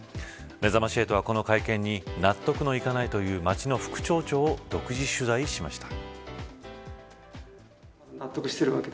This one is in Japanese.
めざまし８は、この会見に納得のいかないという町の副町長を独自取材しました。